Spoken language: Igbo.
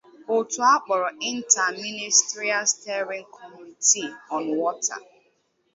òtù a kpọrọ 'Interministerial Steering Committee on Water